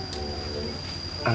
masalah di masa lalu